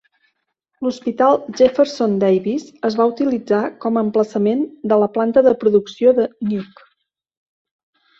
L'hospital Jefferson Davis es va utilitzar com a emplaçament de la planta de producció de Nuke.